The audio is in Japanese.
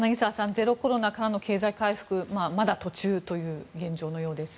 ゼロコロナからの経済回復はまだ途中という現状のようです。